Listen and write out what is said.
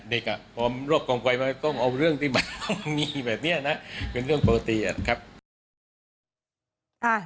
อ่ะพอรอบกองไฟมาต้องเอาเรื่องที่แบบมีแบบนี้นะเป็นเรื่องปกตินะครับ